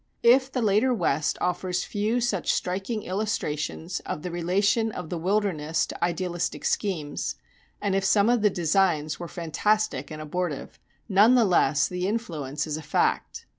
If the later West offers few such striking illustrations of the relation of the wilderness to idealistic schemes, and if some of the designs were fantastic and abortive, none the less the influence is a fact.